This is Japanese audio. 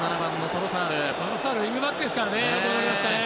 トロサールはウィングバックですからね。